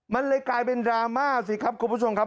มันเลยกลายเป็นดราม่าสิครับคุณผู้ชมครับ